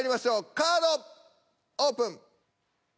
カードオープン。